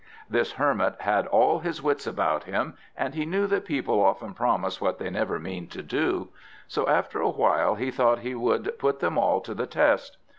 This Hermit had all his wits about him, and he knew that people often promise what they never mean to do; so after a while he thought he would put them all to the test.